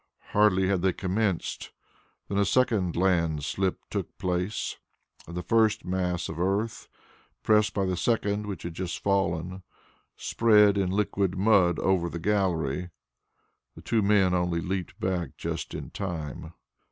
Hardly had they commenced than a second landslip took place, and the first mass of earth, pressed by the second which had just fallen, spread in liquid mud over the gallery. The two men only leaped back just in time.